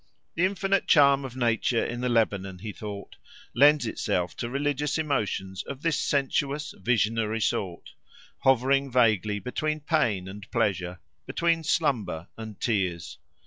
The infinite charm of nature in the Lebanon, he thought, lends itself to religious emotions of this sensuous, visionary sort, hovering vaguely between pain and pleasure, between slumber and tears.